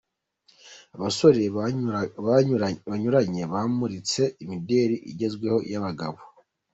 Abasore banyuranye bamuritse imideli igezweho y'abagabo.